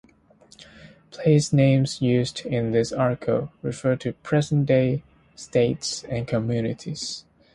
Place names used in this article refer to present-day states and communities.